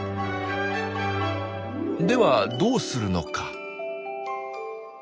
ではどうするのか？